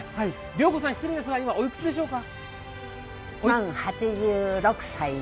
良子さん、失礼ですが、今、おいくつですか？